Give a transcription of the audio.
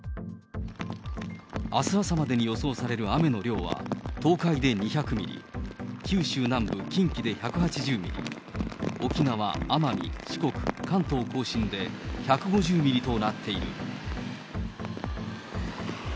あす朝までに予想される雨の量は、東海で２００ミリ、九州南部、近畿で１８０ミリ、沖縄・奄美、四国、関東甲信で１５０ミリとなっている。